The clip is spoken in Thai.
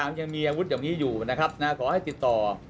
ใครก็ตามยังมีอาวุธที่อยู่อยู่นะครับขอให้ติดต่อ